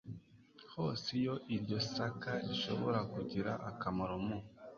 hose iyo iryo saka rishobora kugira akamaro mu